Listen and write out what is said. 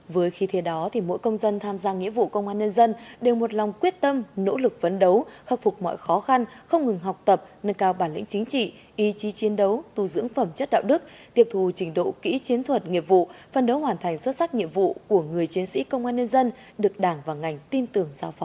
với khi thế đó mỗi công dân tham gia nghĩa vụ công an nhân dân đều một lòng quyết tâm nỗ lực vấn đấu khắc phục mọi khó khăn không ngừng học tập nâng cao bản lĩnh chính trị ý chí chiến đấu tu dưỡng phẩm chất đạo đức tiệp thù trình độ kỹ chiến thuật nghiệp vụ phân đấu hoàn thành xuất sắc nhiệm vụ của người chiến sĩ công an nhân dân được đảng và ngành tin tưởng giao phó